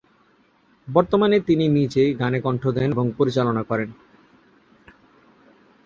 বর্তমানে তিনি নিজেই গানে কণ্ঠ দেন এবং পরিচালনা করেন।